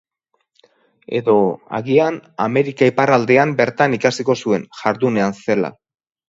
Edo, agian, Amerika iparraldean bertan ikasiko zuen, jardunean zela.